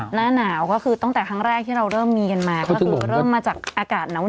หน้าหนาวก็คือตั้งแต่ครั้งแรกที่เราเริ่มมีกันมาก็คือเริ่มมาจากอากาศหนาว